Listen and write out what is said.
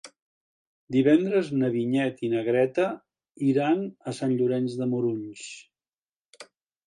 Divendres na Vinyet i na Greta iran a Sant Llorenç de Morunys.